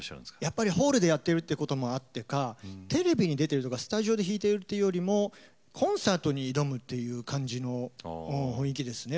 やっぱりホールでやってるっていうこともあってかテレビに出てるとかスタジオで弾いてるっていうよりもコンサートに挑むっていう感じの雰囲気ですね